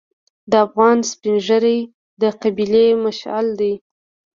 د افغان سپین ږیری د قبیلې مشعل دی.